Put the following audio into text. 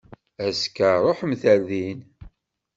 Azekka ruḥemt ar dina!